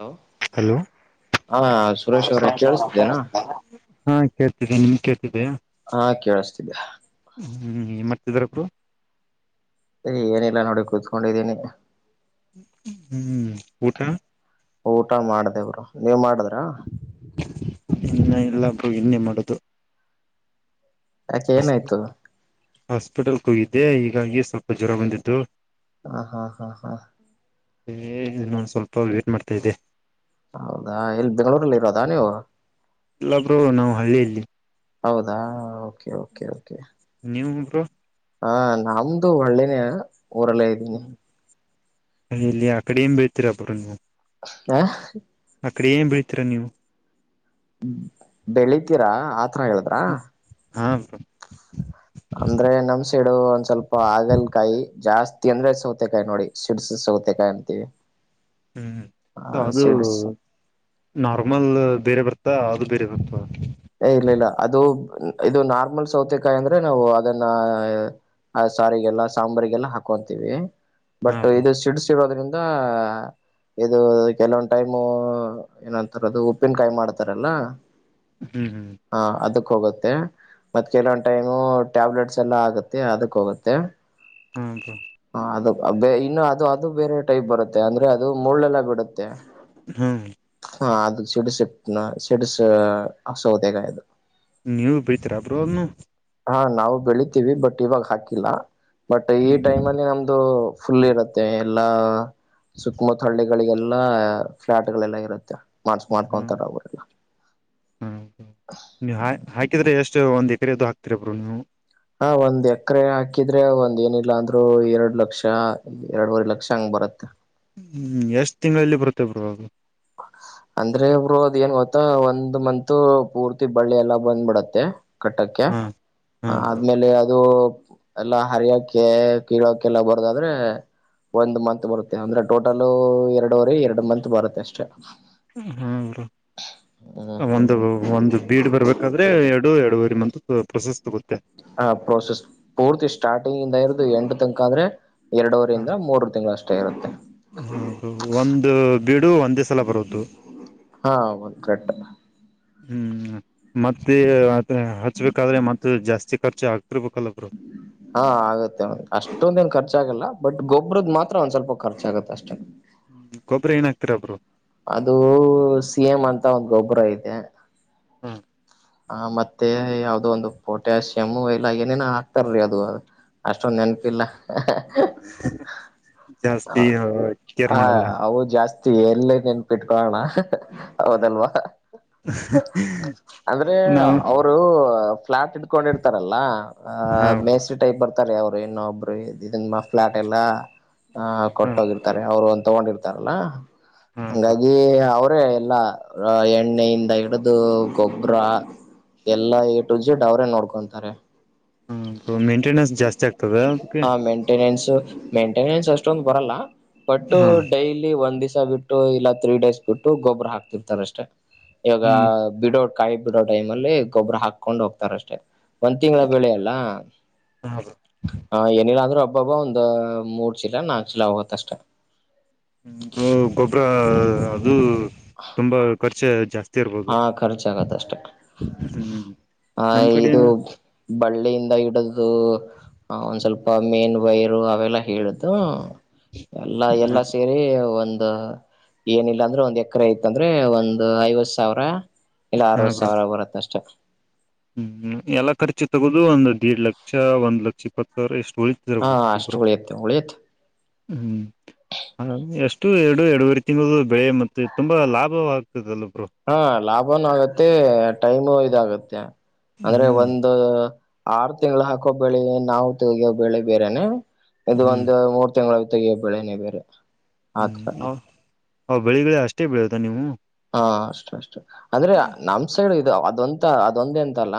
Hello hello ಹಾ ಸುರೇಶ್ ಅವ್ರ ಕೇಳಿಸ್ತಿದ್ದೇನಾ ಹಾ ಕೇಳ್ತಿದ್ದೇ ನಿಮ್ ಕೇಳ್ತಿದ್ದೆ ಹಾ ಕೇಳಿಸತಿದ್ದ್ಯಾ ಹ್ಮ್ ಮತಿದಾರರು ಸರಿ ಏನಿಲ್ಲ ನೋಡಿ ಕೂತ್ಕೊಂಡಿದ್ದೀನಿ ಹ್ಮ್ ಊಟ ಊಟ ಮಾಡ್ದೇವರು ನೀವ್ ಮಾಡಿದ್ರ ಇನ್ನ ಎಲ್ಲ ಇನ್ನೆ ಮಾಡದು ಯಾಕೆ ಹಸ್ಪಿ ಏನಾಯ್ತು ಹಾಸ್ಪಿಟಲ್ ಕೂಗಿದ್ದೆ ಹೀಗಾಗಿ ಸ್ವಲ್ಪ ಜ್ವರ ಬಂದಿದ್ದು ಹಾ ಹಾ ಹಾ ಹಾ ಇನ್ನ ಸ್ವಲ್ಪ ವೇಟ್ ಮಾಡ್ತಾ ಇದಿದ್ದೆ ಹೌದಾ ಇಲ್ಲಿ ಬೆಂಗಗಳೂರಲ್ಲಿ ಇರೋದಾ ನೀವು ಎಲ್ಲಬ್ರು ನಾವ್ ಹಳ್ಳಿಯಲ್ಲಿ ಹೌದಾ ಓಕೆ ೆ ನೀವುಟ ಹಾ ನಮ್ದು ಒಳ್ಳೇನ ಊರಲ್ಲ ಇದ್ದೀನಿ ಅ ಇಲ್ಲಿ ಆ ಕಡೆ ಏನ್ ಬಳ್ತೀರಾ ಬರು ನೀವು ಹ ಅ ಕಡೆ ಏನ್ ಬೀಳ್ತೀರ ನೀವು ಬೆಳಿತೀರಾ ಆ ಹ ಹಾ ಅಂದ್ರೆ ನಮ್ಸೆಡು ಒಂದ್ ಸ್ವಲ್ಪ ಆಗಲ್ಕಾಯಿ ಜಾಸ್ತಿ ತಂದ್ರ ಸೌತೆಕಾಯಿ ನೋಡಿ ಸಿಡ್ಸ ಸೌತೆಕಾಯಿ ಅಂತೀವಿ ಹ್ಮ್ ಸ ಆ ಅದು ಸಿಡ್ಸ್ ನಾರ್ಮಲ್ ಬೇರೆ ಬರ್ತ ಅಾ ಅದು ಬೇರೆ ಬತ್ ಇಲ್ಲ ಇಲ್ಲ ಅದು ಇದು ನಾರ್ಮಲ್ ಸೌತೆಕಾಯಿ ಅಂದ್ರೆ ನಾವು ಅದನ್ನ ಆ ಸಾರಿಗೆಲ್ಲ ಸಾಂಬಾರಿಗೆಲ್ಲ ಹಾಕೊಂತೀವಿ ಹಾ ಬಟ್ ಬ್ರೋ ಇದು ಸಿಡ್ಸಿಡೋದ್ರಿಂದ ದ.. ಇದು ಕೆಲವೊಂದ ಟೈಮ್ ಏನಂತಾರದು ಉಪ್ಪಿನಕಾಯಿ ಮಾಡ್ತಾರಲ್ಲ ಹ್ಮ್ ಹ್ಮ್ ಹಾ ಅದು ಹೋಗುತ್ತೆ ಮತ್ ಕೆಲವೊಂದ ಟೈಮ್ ಟ್ಯಾಬ್ಲೆಟ್ಸ್ ಎಲ್ಲಾ ಆಗುತ್ತೆ ಅದಕ್ ಹೋಗುತ್ತೆ ಹ್ಮ್ ಹ ಇನ್ನು ಅದು ಅದು ಬೇರೆ ಟೈಪ್ ಬರುತ್ತೆ ಅಂದ್ರೆ ಅದು ಮುಳ್ಳೆಲ್ಲ ಬಿಡುತ್ತೆ ಹ್ಮ ಹಾ ಅದು ಸಿಡುಸಟ್ಟ ಸಿಡಸ ಹಸೌದಗ ಇದು ನೀವು ಬೆಳಿತೀರ ಬ್ರೋ ಅದನು ಹಾ ನಾವು ಬೆಳಿತೀವಿ ಬಟ್ ಇವಾಗ ಹಾಕಿಲ್ಲ ಬಟ್ ಈ ಹ್ಮ್ ಟೈಮ್ ಅಲ್ಲಿ ನಮ್ದು ಫುಲ್ ಇರುತ್ತೆ ಎಲ್ಲ ಸುುತ್ತಮತ್ ಹಳ್ಳಿಗಳಿಗೆಲ್ಲ ಫ್ಲಾಟ್ ಗಳೆಲ್ಲ ಇರುತ್ತೆ ಮಾಡ್ಸ್ ಹ್ಮ್ ಮಾಡ್ಕೊಂತಾರ ಅವರೆಲ್ಲ ಹ್ಮ ನೀ ಹಾಕಿದ್ರೆ ಎಷ್ಟ ಒಂದು ಎಕರೆದು ಹಾಕ್ತಿೀರಬ್ರು ನೀವು ಹ ಒಂದ್ ಎಕರೆ ಹಾಕಿದ್ರೆ ಒಂದ್ ಏನಿಲ್ಲ ಅಂದ್ರರು ಎರಡ್ ಲಕ್ಷ ಎರಡೂರೆ ಲಕ್ಷ ಹಂಗ ಬರುತ್ತೆ ಹ್ಮ್ ಎಷ್ಟ್ ತಿಂಗಳಲ್ಲಿ ಬರುತ್ತೆ ಬ್ರೋ ಅಂದ್ರೆ ಒಬ್ರು ಅದ್ ಏನ್ ಗೊತ್ತ ಒಂದ್ ಮಂತ್ ಪೂರ್ತಿ ಬಳ್ಳಿ ಎಲ್ಲಾ ಬಂದ್ಬಿಡತ್ತೆ ಕಟ್ಟಕ್ಕೆ ಹಾ ಹಾ ಬ್ರೋ ಆದ್ಮೇಲೆ ಅದು ಎಲ್ಲಾ ಹರಿಯಕೆ ಕೀಳೋಕ ಎಲ್ಲ ಬರದಾದ್ರೆ ಒಂದ್ ಮಂತ್ ಬರುತ್ತೆ ಅಂದ್ರೆ ಟೋಟಲ್ ಎರಡವರಿ ಎರಡು ಮಂತ್ ಬರುತ್ತೆ ಅಷ್ಟೆ ಹ್ಮ ಒಂದು ಒಂದು ಬೀಡ್ ಬರ್ಬೇಕಾದ್ರೆ ಎರ ಎರಡುವರಿ ಮಂತ್ ಪ್ರೊಸಸ ಹ ಪ್ರೋಸೆಸ್ ಪೂರ್ತಿ ಸ್ಟಾರ್ಟಿಂಗ್ ಇಂದ ಏಂಡ ತನಕ ಅಂದ್ರೆ ಎರಡವರಿಂದ ಮೂರು ತಿಂಗಳಷ್ಟೇ ಇರುತ್ತೆ ಹಾ ಒಂದು ಬೀಡು ಒಂದೇ ಸಲ ಬರೋದು ಹಾ ಒಂದ್ ಕರೆಕ್ಟ್ ಹ್ಮ್ ಮತ್ತೆ ಹಚ್ಬೇಕಾದ್ರೆ ಮತ್ತ ಜಾಸ್ತಿ ಖರ್ಚ ಆಗ್ತದೆ ಹಾ ಆಗತ್ತೆ ಅಷ್ಟೊಂದ ಏನ್ ಖರ್ ಆಗಲ್ಲ ಬಟ್ ಗೊಬ್ಬರದ ಮಾತ್ರ ಒಂದ್ ಸ್ವಲ್ಪ ಖರ್ಚಾಗುತ್ತೆ ಅಷ್ಟೇ ಹ್ಮ್ ಗೊಬ್ಬ್ರ ಏನಾಹಾಕ್ತಿರ ಬ್ರೋ ಅದು ಸಿ ಎಂ ಅಂತ ಒಂದ್ ಗೊಬ್ಬರ ಇದೆ ಹ್ಮ ಹ ಮತ್ತೆ ಯಾವ್ದೋ ಒಂದು ಪೊಟ್ಯಾಸಿಯಮ್ ಎಲ್ಲ ಏನೇನ ಹಾಕ್ತಾರೀ ಅದು ಅಷ್ಟೊಂದ ನೆನಪಿಲ್ಲ ಜಾಸ್ತಿ ಹ ಕೇರ್ ಹ ಮಾಡಲ್ಲ ಅವು ಜಾಸ್ತಿ ಎಲ್ಲ ನೆನ್ಪಿಟ್ಕೊಳ್ಳಣ ಹ್ಮ್ ಅಂದ್ರೆ ಅವ್ರು ಫ್ಲಾಟ್ ಇಟ್ಕೊಂಡಿರ್ತಾರಲ್ಲ ಆ ಹಾ ಬ್ರೋ ಮೇಸ್ತ್ರಿ ಟೈಪ್ ಬರ್ತಾರೆ ಅವರು ಇನ್ನೊಬ್ರು ಇದನ್ ಫ್ಲಾಟ್ ಎಲ್ಲಾ ಅ ಹಾ ಕೊಟ್ಟೋಗಿರ್ತಾರೆ ಅವರು ತಗೊಂಡಿರ್ತಾರಲ್ಲ ಹಾ ಬ್ರೋ ಹಂಗಾಗಿ ಅವ ಎಲ್ಲಾ ಎಣ್ಣೆಯಿಂದ ಹಿಡ್ದು ಗಬ್ ಬ್ರಾ ಎಲ್ಲಾ ಎ ಟು ಜೆಡ್ ಅವರೇ ನೋಡ್ಕೊಂತಾರೆ ಹ ಮೇಂಟೆನೆನ್ಸ್ ಜಾಸ್ತಿ ಆಗ್ತ ಹ ಮೇಂಟೆನೆನ್ಸ್ ಮೇಂಟೆನೆನ್ಸ್ ಅಷ್ಟೊಂದು ಬರಲ್ಲ ಬಟ್ಟು ಹಾ ಡೈಲಿ ಒಂದ್ ದಿವಸ ಬಿಟ್ಟು ಇಲ್ಲ ತ್ರೀ ಡೇಸ್ ಬಿಟ್ಟು ಗೊಬ್ಬರ ಹಾಕ್ತಿರ್ತಾರ ಅಷ್ಟೇ ಇವಾಗ ಹ್ಮ್ ಬಿಡೋ ಕಾಯಿ ಬಿಡೋ ಟೈಮ್ ಅಲ್ಲಿ ಗೊಬ್ಬರ ಹಾಕೊಂಡು ಹೋಗ್ತಾರಷ್ಟೇ ಒಂದ್ ತಿಂಗಳ ಬೆಳೆ ಅಲ್ಲ ಹ ಹ ಏನಿಲ್ಲ ಅಂದ್ರರು ಅಬ್ಬಬ್ಬ ಒಂದ ಮೂಲ ಚಲ ನಾಲ್ಕ್ ಚೀಲ ಹಾಗತ್ತ ಅಷ್ಟ ಗೊಬರ ಅದು ತುಂಬಾ ಖರ್ಚ ಜಾಸ್ತಿ ಇರ್ಬೋದು ಹಾ ಖರ್ಚ ಆಗತ್ತ ಅಷ್ಟೆ ಹ್ಮ್ ಆ ನಮ್ ಕಡೆ ಇದು ಏನು ಬಳ್ಳಿಯಿಂದ ಇಡುದು ಒಂದ್ ಸ್ವಲ್ಪ ಮೇನ್ ಬೈರು ಅವೆಲ್ಲ ಹೇಳ್ದು ಎಲ್ಲ ಎಲ್ಲಾ ಸೇರಿ ಒಂದು ಏನಿಲ್ಲಾ ಅಂದ್ರೆ ಒಂದ್ ಎಕರೆ ಐತಂದ್ರೆ ಒಂದು್ ಐವತ್ ಸಾವಿರ ಇಲ್ಲ ಹಾ ಅರವತ್ತು ಬ್ರೋ ಸಾವಿರ ಬರುತ್ತ ಅಷ್ಟು ಹ್ಮ್ ಎಲ್ಲ ಖರ್ಚು ತಗೋದು ಒಂದ ದೇಡ್ ಲಕ್ಷ ಒಂದ್ ಲಕ್ಷ ಇಪ್ಪತ್ತು ಸಾವಿರ ಎಷ್ಟು ಹಾ ಅಷ್ಟು ತೊಳಿತರಪಕ್ಕಪರ [inaudible] ಉಳಿಯುತ್ತೆ ಉಳಿಯುತ್ತೆ ಹ್ಮ್ ಹ ಎಷ್ಟು ಎರಡು ಎರಡುವರೆ ತಿಂಗಳು ಬೆಳೆ ಮತ್ತೆ ತುಂಬಾ ಲಾಭವಾಗ ಹಾ ಲಾಭನುೂ ಆಗತ್ತೆ ಟೈಮು ಇದಾಗತ್ತೆ ಅಂದ್ರೆ ಹ್ಮ್ ಒಂದು ಆರು ತಿಂಗಳ ಹಾಕೋ ಬೆಳಿ ನಾವು ತಗಿಯ ಬೆಳಿ ಬೇರೆನೆ ಇದು ಹ್ಮ್ ಒಂದು ಮೂರು ತಿಂಗಳ ತಗೋ ಬೆಳೆನೆ ಬೇರೆ ಆತರ ಹ್ಮ್ ಅವ್ ಬೆಳಿಗ್ಗಳ ಅಷ್ಟೇ ಬೆಳದ ನೀವು ಹಾ ಅಷ್ಟು ಅಷ್ಟು ಅಂದ್ರೆ ನಮ ಸೈಡ್ ಇದು ಅದೊಂತ ಅದೊಂದೇ ಎಂತಲ್ಲ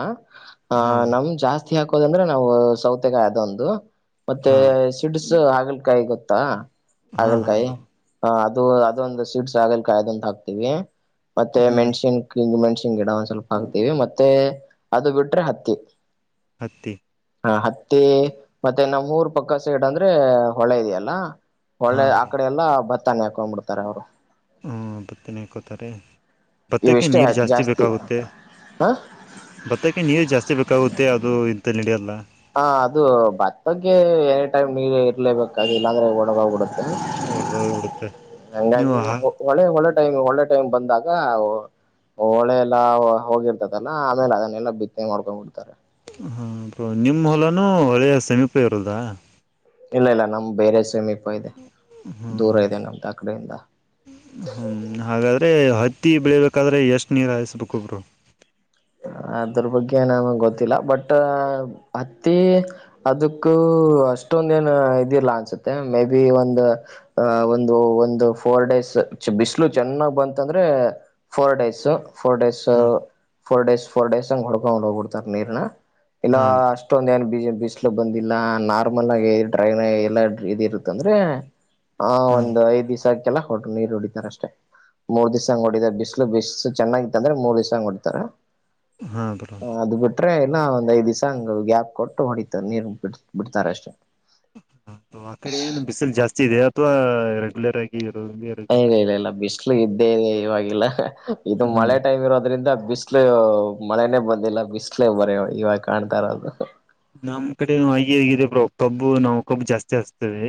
ಆ ಹಾ ಬ್ರೋ ನಮ್ ಜಾಸ್ತಿ ಹಾಕೋದಂದ್ರೆ ನಾವು ಸೌತೆಗಾಯ ಅದೊಂದು ಮತ್ತೆ ಹಾ ಸಿಡಸ ಹಾಗಲ್ಕಾಯಿ ಗೊತ್ತಾ ಹಾ ಹಾ ಹಾಗಲ್ಕಾಯಿ ಬ್ರೋ ಹ ಅದೊಂದು ಸೀಡ್ಸ್ ಹಾಗಲಕಾಯಿ ಅದೂಂದ ಹಾಕ್ತವಿ ಮತ್ತೆ ಹ್ಮ್ ಮೆಣಸಿನ್ ಮೆಣ ನ್ ಗಿಡ ಒಂದ್ ಸ್ವಲ್ಪ ಹಾಕ್ತೀವಿ ಮತ್ತೆ ಅದು ಬಿಟ್ರೆ ಹತ್ತಿ ಹತ್ತಿ ಹ ಹತ್ತೆ ಮತ್ತೆ ನ ಮೂರು ಪಕ್ಕ ಸೈಡ್ ಅಂದ್ರೆ ಹೊಳೆ ಇದೆಯಲ್ಲ ಹಾ ಹೊಳೆ ಆ ಬ್ರೋ ಕಡೆ ಎಲ್ಲತ್ತ ತನ್ನ ಹಾಕೊಂಡ್ ಬಿಡ್ತಾರೆ ಅವ್ರು ಹಾ ಭತ್ತನೆ ಕೊತಾರೆ ಭತ್ತಕ್ಕೆ ನೀರು ಜಾಸ್ತಿ ಬೇಕಾಗುತ್ತೆ ಹ ಭತ್ತಕ್ಕೆ ನೀರು ಜಾಸ್ತಿ ಬೇಕಾಗುತ್ತೆ ಅದು ಇಂತ ನಡಿಯಲ್ಲ ಹ ಅದು ಭತ್ತಗ್ಗೆ ಎನಿ ಟೈಮ್ ನೀರ್ ಇರ್ಲೇಬೇಕ ಅದು ಇಲ್ಲಾಂದ್ರೆ ಒಣಗೋಗ್ಬಿಡುತ್ತೆ ಹೊಡೆದೋಗಿ ಬಿಡುತ್ತೆ ನೀವು ಹಂಗಾಗಿ ಹಾ- ಒಳ್ಳೆ ಹೊಳ ಟೈಮ್ ಒಳ್ಳೆ ಟೈಮ್ ಬಂದಾಗ ಹಳೆ ಎಲ್ಲಾ ಹೋಗಿರ್ತದಲ್ಲಾ ಆಮೇಲೆ ಅದನ್ನೆಲ್ಲಾ ಬಿತ್ತನೆ ಮಾಡ್ಕೊಂಡ್ ಬಿಡ್ತಾರೆ ಹಾ ನಿಮ್ಮ ಹೊಲಾನೂ ಒಳ್ಳೆಯ ಸಮೀಪ ಇರೋದಾ ಇಲ್ಲ ಇಲ್ಲ ನಮ್ ಬೇರೆ ಸಮವೀಪ ತ ಇದೆ ಹ್ಮ್. ದೂರ ಇದೆ ನಮ್ದು ಆ ಕಡೆಯಿಂದ ಕತ್ತಿ ಬೆಳೀಬೇಕಾದ್ರೆ ಎಷ್ಟು ನೀರುಾಯಿಸ್ಬೇಕು ಒಬ್ರು ಅದ್ರ ಬಗ್ಗೆ ನಮಗೆ ಗೊತ್ತಿಲ್ಲ ಬಟ್ ಅತ್ತಿ ಅದಕ್ಕೂ ಅಷ್ಟು ಅಷ್ಟೊಂದ ಏನ್ ಇದಿಲ್ಲ ಅನ್ಸುತ್ತೆ ಮೇ ಬಿ ಒಂದು ಒಂದು ಒಂದು ಫೋರ್ ಡೇಸ್ ಬಿಸಿಲು ಚೆನ್ನಾಗ್ ಬಂತ ಅಂದ್ರೆ ಫೋರ್ ಡೇಸ್ ಫೋರ್ ಡೇಸ್ ಹಾಂ ಫೋರ್ ಡೇಸ್ ಫೋರ್ ಡೇಸ್ ಹಂಗ ಹುಡ್ಕೊಂಡ ಹೋಗಿಡ್ತಾರ್ ನೀರ್ನ ಇಲ್ಲ ಹಾಂ ಅಷ್ಟೊಂದ ಏನ್ ಬೀಜ ಬಿಸ್ಲು ಬಂದಿಲ್ಲ ನಾರ್ಮಲ್ ಆಗಿ ಡ್ರೈ ಎಲ್ಲ ಇದ ಇರುತ್ತ ಅಂದ್ರೆ ಹಾ ಹಾಂ ಒಂದು ಐದ್ ದಿವ್ ಆ ಲ್ಲ ಹೊರು ನೀರು ಹೊಡಿತಾರೆ ಅಷ್ಟೇ ಮೂರ್ ದಿವ್ ಹೊಡಿದ ಬಿಸ್ಲು ಬಿಸ್ಲು ಚೆನ್ನಾಗಿತ್ತು ಅಂದೆ ಮೂರ್ ದಿವ್ ಹೊಡ ತ್ತರ ಹಾ ಬರ ಇನ್ನ ಒಂದ್ ಐದ ದಿವ್ಸ ಹಂಗ ಗ್ಯಾಪ್ ಕೊಟ್ಟು ಹೊಡಿತಾರೆ ನೀರ್ ಬಿಡ್ ಬಿಡ್ತಾರ ಅಷ್ಟೇ ಆ ಕಡೆ ಏನು ಬಿಸಿಲು ಜಾಸ್ತಿ ಇದೆ ಅಥವಾ ರೆಗ್ಯಲರ್ ಆಗಿ ಇರೋದೇ ಇರೋದು ಇಲ್ಲ ಇಲ್ಲ ಇಲ್ಲ ಬಿಸ್ಲು ಇದ್ದೇ ಇದೆ ಇವಾಗಿಲ್ಲ ಇದು ಹ್ಮ್ ಮಳೆ ಟೈಮ್ ಇರೋದ್ರಿಂದ ಬಿಸಿಲು ಮಳೆನೇ ಬಂದಿಲ್ಲ ಬಿಸಲೇ ಬರ ಇವಾಗ ಕಾಣ್ತಾ ಇರೋದು ನಮ್ಮ್ ಕಡೆ ಹಿ ಹೇಗಿದೆ ಬ ಕಬ್ಬು ನಾವು ಕಬ್ಬು ಜಾಸ್ತಿ ಆಸ್ತದೆ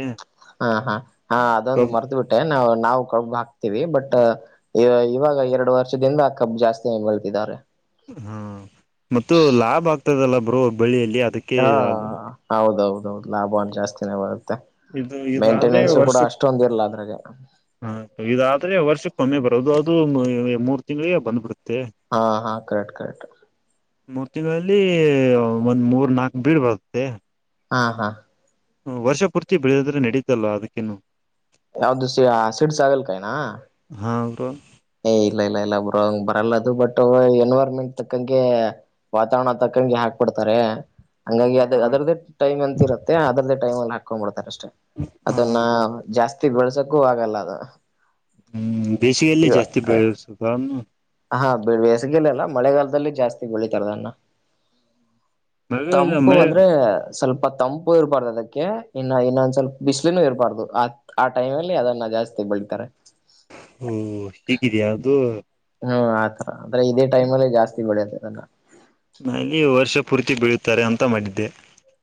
ಹಾ ಹಾ ಹಾ ಅದೊಂದು ಮರ್ತ ಬಿಟ್ಟೆ ನಾವು ನಾವು ಕಬ್ಬು ಹಾಕ್ತಿವಿ ಬಟ್ ಇವಾಗ ಎರಡು ವರ್ಷದಿಂದ ಕಬ್ ಜಾಸ್ತಿಯ ಬೆಳೀತಿದ್ದಾರೆ ಹಾ ಮ ಲಾಭ ಆಗ್ತದಲ್ಲ ಬ್ರೋ ಬಳ್ಳಿಯಲ್ಲಿ ಹಾ ಹೌದೌದೌದು ಲಾಭ ಜಾಸ್ತಿನೇ ಬರುತ್ತೆ ಇದು ಮ ಇದಾದ್ರೆ ಮೇಂಟೆನೆನ್ಸ ಕೂಡ ವರ್ಷಕ್ ಅಷ್ಟೊಂದ ಇರ್ಲ್ಲ ಅದ್ರಾಗ ಹ ಇದಾದ್ರೆ ವರ್ಷಕ್ಕಮ್ಮೆ ಬರೋದು ಅದು ಮೂರು ತಿಂಗ್ಳಿಗೆ ಬಂದ್ಬಿಡ್ತದೆ ಹಾ ಹಾ ಕೆಕ್ಟ್ ಕೆಕ್ಟ್ ಅಲ್ಲಿ ಒಂದ್ ಮೂರ್ ನಾಕ್ು ಬೀಡ್ ಬರುತ್ತೆ ಹಾ ಹಾ ವರ್ಷ ಪೂರ್ತಿ ಬೆಳೆದ್ರೆ ನಡೀತಲ್ಲ ಅದಕ್ಕೇನು ಯಾವ್ದು ಸಿ ಸಿಡ್ಸ್ ಆಗಲ್ಕಾಯನಾ ಹಾ ಬ್ರೋ ಏ ಇಲ್ಲ ಇಲ್ಲ ಇಲ್ಲ ಬರಂಗ ಬರಲ್ಲದು ಬಟ್ ಎನ್ವೈರ್ಮೆಂಟ್ ತಕ್ಕಂಗೆ ವಾತಾವರಣ ತಕ್ಕ ಕಂಗಗೆ ಹಾಕ್ಬಿಡ್ತಾರೆ ಹಂಗಾಗಿ ಅದ ಅದೇ ಟೈಮ್ ಅಂತ ಇರುತ್ತೆ ಅದ್ದೇ ಟೈ್ ಅಲ್ಲಿ ಹಾಕೊಂಡ್ಬ ಬಿಡ್ತಾರೆ ಅದನ್ನ ಜಾಸ್ತಿ ಬೆಳಸಕ್ಕೂ ಆಗಲ್ಲ ಅದು ಹ್ಮ್ ಬೇಸಿಗೆಲ್ಲ ಇವ ಜಾಸ್ತಿ ಬೆಳಸು ಹಾ ಬಿಳ ಎಸಗಲ್ಲಲ್ಲ ಮಳೆಗಾಲದಲ್ಲಿ ಜಾಸ್ತಿ ಬೆಳಿತಾರದನ್ನ ಮಳೆ ತಂಪು ಮಳೆ ಅಂದ್ರೆ ಸ್ವಲ್ಪ ತಂಪು ಇರ್ಬಾರ್ದು ಅದಕ್ಕೆ ಇನ್ನು ಇನ್ನೊಂದ್ ಸ್ವಲ್ಪ ಬ್ ಇರಬಾರ್ದು ಆ ಆ ಟೈಮಲ್ಲಿ ಅದನ್ನ ಜಾಸ್ತಿ ಬೆಳಿತಾರೆ ಹಓ ಹೀಗಿದಾ ಅದು ಹ್ಮ್ ಆತರ ಅಂದ್ರ ಇದೇ ಟೈಮ್ಲ್ಲಿ ಜಾಸ್ತಿ ಬೆಳೆಯದ ಅದ ಅಲ್ಲಿ ವರ್ಷ ಪೂರ್ತಿ ಬೆಳೆಯುತ್ತಾರೆ ಅಂತ ಮಾಡಿದ್ದೆ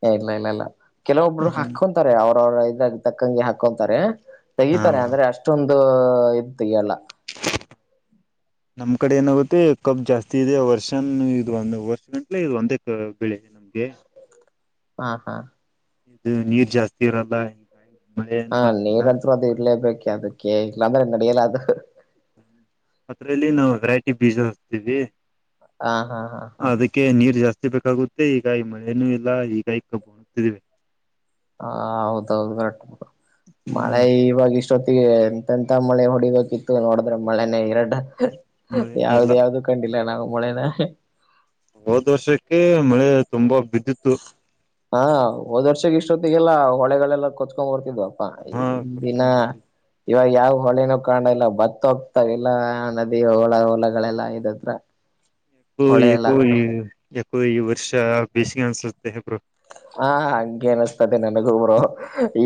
ಏ ಇಲ್ಲ ಇಲ್ಲ ಇಲ್ಲ ಕೆಲವೊಬ್ಬರು ಹಾಕ್ಕೊಂತಾರೆ ಅವ್ರವ್ರ ಇದಾಗ ತಕ್ಕಂಗೆ ಹಾಕ್ಕೊಂತಾರೆ ಹಾ ತೆಗತಾರೆ ಬ್ರೋ ಅಂದ್ರೆ ಅಷ್ಟೊಂದು ಇದ ತೆಗಲ್ಲ ನಮ್ ಕಡೆ ಏನಾಗುತ್ತೆ ಕಬ್ ಜಾಸ್ತಿ ಇದೆ ವರ್ಷನ್ ಇ ಒಂದ ವರ್ಷ ಗಂಲೆ ಇ ಒಂದೇ ಬೆಳೆ ನಮ್ಗೆ ಹಾ ಹಾ ಇದು ನೀರ್ ಜಾಸ್ತಿ ಇರಲ್ಲ ಈ ಹಾ ನೀರಂತರು ಅದು ಇರ್ಲೇಬೇಕು ಅದಕ್ಕೆ ಇಲ್ಲಾಂದ್ರೆ ನಡಿಯಲ್ಲ ಅದು ಅದ್ರಲ್ಲಿ ನಾವು ವೆರೈಟಿ ಬೀಜತೀವಿ ಹಾ ಹಾ ಹಾ ಹಾ ಅದಕ್ಕೆ ನೀರ್ ಜಾಸ್ತಿ ಬೇಕಾಗುತ್ತೆ ಈಗಾಯಿ ಮಳೆನೂ ಇಲ್ಲ ಈಗಾಯಿ ಕಬ್ಬುಣತಿದೆ ಹ ಹೌದೌದುರ ಮಳೆ ಹ್ಮ್ ಇವಾಗಷ್ಟ ಜೊತೆಗೆ ಎಂತೆಂತ ಮಳೆ ಹೊಡಿಬೇಕಿತ್ತು ನೋಡಿದ್ರೆ ಮಳೆನೇ ಎರಡು ಮಳೆನೇ ಯಾವ್ದ ಇಲ್ಲ ಯಾವ್ದು ಕಂಡಿಲ್ಲ ನಾವು ಮೊಳೆನ ಹೋದ್ ವರ್ಷಕ್ಕೆ ಮಳೆ ತುಂಬಾ ಬಿದ್ದಿತ್ತು ಹಾ ಹೋದ್ ವರ್ಷಕ್ಕೆ ಇಷ್ಟೊತ್ತಿಗೆಲ್ಲ ಹೊಳೆಗಳೆಲ್ಲ ಕೊತ್ಕೊ್ ಬರ್ತವಿ ಇದು ಅಪ್ಪಾ ಈ ಹಾ ದಿನ ಖರ್ಚನ್ ಬರ್ತದೆ ಇವಾಗ ಯಾವ್ ಹೊಳಿನೂ ಕಾಣ ಇಲ್ಲ ಬತ್ತ ಹೋಗ್ತಾವಲ್ಲ ನದಿ ಹಲ ಹೊೋಲಗಳೆಲ್ಲಾ ಇದತ್ರ ೋ ಹೊಳೆ ಎಲ್ಲ ಎಕೋ ಈ ಯಕೋ ಈ ವರ್ಷ ಬೇಿಸಿಗೆ ಅನ್ಸುತ್ತೆ ಹೆಬ್ರು ಹಾ ಹಗೆ ಅನಿಸ್ತದೆ ನನಗೊಬ್ರು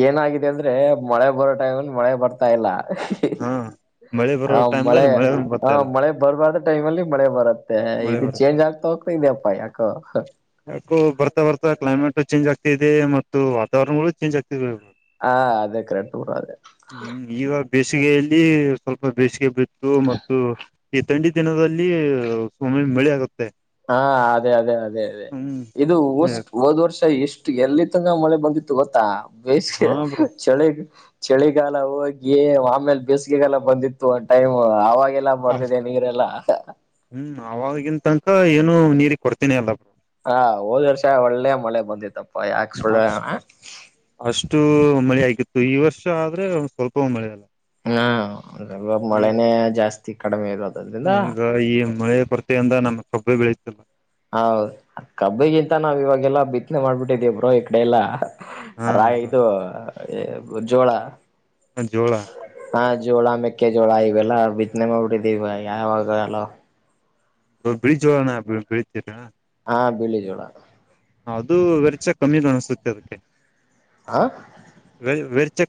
ಏನಾಗಿದೆ ಅಂದ್ರೆ ಮಳೆ ಬರೋ ಟೈಮಲ್ಲಿ ಮಳೆ ಬರ್ತಾ ಇಲ್ಲ ಹಾ ಮಳೆ ಬರೋ ಹ ಮಳೆ ಟೈಮ್ಲ್ಲಿ ಹ ಬರ್ತಾ ಇಲ್ಲ ಮಳೆ ಬರ್ಬಾದ್ರ ಟೈಮ್ ಅಲ್ಲಿ ಮಳೆ ಬರುತ್ತೆ ಮಳೆ ಇದು ಬರುತ್ತೆ ಚೇಂಜ್ ಆಗ್ತಾ ಹೋಗತೆ ಇದ್ಯಪ್ಪಾ ಯಾಕ ಯಾಕೋ ಬರ್ತಾ ಬರ್ಾ ಕ್ಲೈಮೇಟ್ ಚೇಂಜ್ ಆಗ್ತ ಇದೆ ಮತ್ತು ವಾತಾವರಣಗಳು ಚೇಂಜ್ ಆಗ್ತದೆ ಹಾ ಅದೇ ಕರೆಕ್ಟ್ ಕೂರ ಅದ ಹ್ಮ್ ಈಗ ಬೇಸಿಗೆಯಲ್ಲಿ ಸ್ವಲ್ಪ ಬೇಸಿಗೆ ಬಿತ್ತು ಮತ್ತು ಈ ತಂಡಿ ದಿನದಲ್ಲಿು ಮ ಬೆಳಿ ಆಗುತ್ತೆ ಹಾ ಅದೇ ಅದೇ ಅದೇ ಅದೇ ಹ್ಮ್ ಇದು ಒಷ್ಟ ಹದ್ ವರ್ಷ ಇಷ್ಟು ಎಷ್ಟು ಎಲ್ಲಿ ತಂಗ ಮಳೆ ಬಂದಿತ್ತು ಗೊತ್ತಾ ಬೇಸ್ಿಗೆ ಹಾ ಬ್ರೋ ಚಳಿಗ್ ಚಳಿಗಾಲ ಹೋಗಿ ಆಮೇಲೆ ಬೇಸಿಗೆಗಾಲ ಬಂದಿತ್ತು ಒಂದ ಟೈಮ್ ಆಾಗ ಎಲ್ಲ ಮಾಡ್ತಿದ್ದೇ ನೀರೆಲ್ಲ ಅವವಾಗಿಗಂತ ತನಕ ಏನು ನೀರಿಗೆ ಕೊಡ್ತೀನಿ ಅಲ್ಲ ಬಿ ಹಾ ಹೋದ ವರ್ಷ ಒಳ್ಳೆ ಮಳೆ ಬಂದತ್ತಪ್ಪ ಯಾಕ ಸುಳ್ಳಣ ಅಷ್ಟು ಮಳೆ ಆಗಿತ್ತು ಈ ವರ್ಷ ಆದ್ರೆ ಒ ಸ್ವಲ್ಪ ಮಳೆ ಅಲ್ಲ ಹಾವಲ್ ಈ ಮಳೆನೇ ಜಾಸ್ತಿ ಕಡಿಮೆ ಇರದು ಈಗ ಈ ಮಳೆ ಪರ್ತೆಯಿಂದ ನಮ ಕಬ್ಬ ಬೆಳೀತಲ್ಲ ಹೌದದು ಕಬ್ಬಿಗಿಂತ ನಾವ್ ಇವಾಗೆಲ್ಲಾ ಬಿತ್ನೆ ಮಾಡ್ಬಿಟ್ಟಿದೇಬ್ರೋ ಈ ಕಡೆ ಎಲ್ಲಾ ಹಾ ರಾಯ್ ಬ್ರೋ ಇದು ಜೋಳ.. ಹ ಜೋಳ. ಹಾ ಜೋಳ ಮೆಕ್ಕೆಜೋಳ ಇವೆಲ್ಲ ಬಿದ್ದ್ನೆ ಮಾಡ್ಬಡಿದ ಇವ ಯಾವಾಗ ಹಲೋ. ಬ್ರಿಜೋಳೋಣ ಬಳೀತಿರ.. ಹಾ ಬಿಳಿಜೋಳ.. ಅದು ವೆರ್ಚ ಕಮ್ಮಿ ಅಣಸುತ್ತೆ ಅದಕ್ಕೆ. ಹ ಖರ್ಚ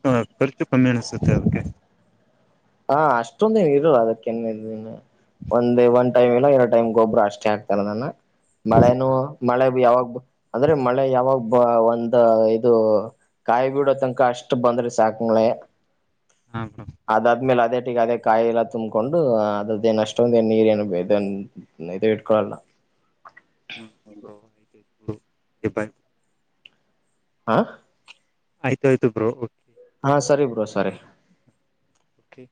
ರ್ಚು ಕಮ್ಮಿಾಣಿಸುತ್ತೆ ಅವದೆ. ಹಾ ಅಷ್ಟೊಂದ ಇರಲ್ಲ ಅದಕ್ಕೆ ಒಂದ ಒನ್ ಟೈಮ್ ಇಲ್ಲ ಎರಡು.. ಟೈಮ್ ಗೊಬ್ರು ಅಷ್ಟೇ ಆಗ್ತಾರದ ಮಳೆನು ಮಳೆ ಯಾವಾಗ.. ಅಂದ್ರೆ ಮಳೆ ಯಾವಾಗ ಬ ಒಂದ ಇದು ಕಾಯಿಬಡೋ ತನಕ ಅಷ್ಟ್ ಬಂದ್ರೆ ಸಾಕ. ಹಕೇ. ಹ ಬರ. ಆದ್ಮೇಲೆ ಅದೇ ಟೀಗ ಅದೇ ಕಾಯಿ ಎಲ್ಲ ತುಂಬ್ಕೊಂಡು ಅದ ಏನ್ ಅಷ್ಟೊಂದ ನೀರ ಏನು ಇದ ಇದು ಇಟ್ಕೊಳಲ್ಲ ಹ್ಮ ಆಯತ ಹಾ ಆಯ್ತುಯ್ು ಬ್ರ ಕೆ ಹಾ ಸರಿ ಬ್ರೋ ಸರಿ ಕಿ.